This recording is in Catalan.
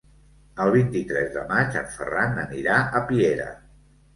El vint-i-tres de maig en Ferran anirà a Piera.